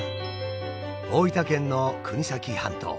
大分県の国東半島。